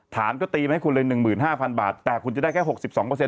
ฐานก็ตีมันให้คุณเลยหนึ่งหมื่นห้าพันบาทแต่คุณจะได้แค่หกสิบสองเปอร์เซ็นต์